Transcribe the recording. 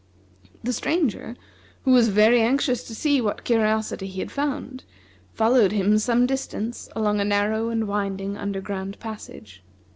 The Stranger, who was very anxious to see what curiosity he had found, followed him some distance along a narrow and winding under ground passage.